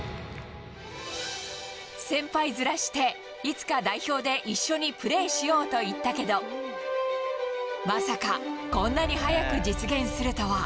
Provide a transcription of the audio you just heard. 先輩面して、いつか代表で一緒にプレーしようと言ったけど、まさかこんなに早く実現するとは。